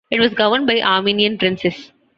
It was governed by Armenian princes.